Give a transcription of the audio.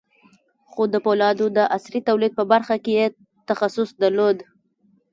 خو د پولادو د عصري تولید په برخه کې یې تخصص درلود